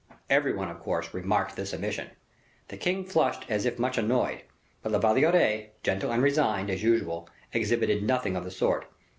Every one, of course, remarked this omission. The king flushed as if much annoyed; but La Valliere, gentle and resigned, as usual, exhibited nothing of the sort.